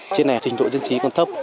trên này trình độ dân trí còn thấp